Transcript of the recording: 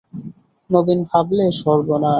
নবীন ভাবলে, সর্বনাশ।